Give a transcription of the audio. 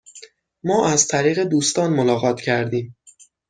ما از طریق دوستان ملاقات کردیم.